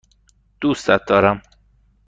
دوستت دارم.